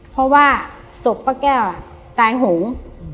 เพราะว่าศพป้าแก้วตายหง